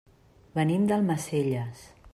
Venim d'Almacelles.